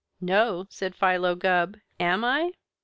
"No!" said Philo Gubb. "Am I?"